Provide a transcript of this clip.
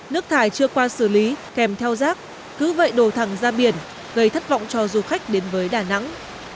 nước thải chưa qua xử lý kèm theo rác cứ vậy đổ thẳng ra biển gây thất vọng cho du khách đến với đà nẵng